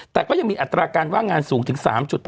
แต่ก็ยังมีอัตราการว่างงานสูงถึง๓๘